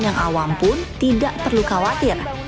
yang awam pun tidak perlu khawatir